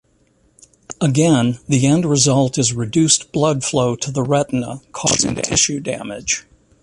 Again, the end result is reduced blood flow to the retina causing tissue damage.